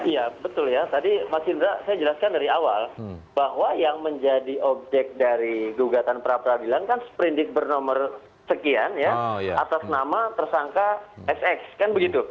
iya betul ya tadi mas indra saya jelaskan dari awal bahwa yang menjadi objek dari gugatan pra peradilan kan seperindik bernomor sekian ya atas nama tersangka sx kan begitu